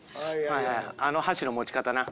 あの箸の持ち方な。